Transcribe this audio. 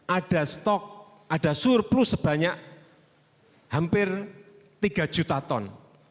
ada stok ada surplus sebanyak hampir tiga juta ton